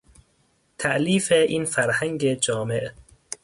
تالیف این فرهنگ جامع